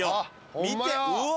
見てうわ！